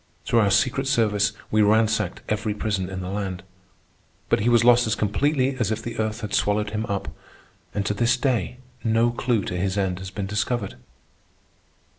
Through our secret service we ransacked every prison in the land. But he was lost as completely as if the earth had swallowed him up, and to this day no clew to his end has been discovered.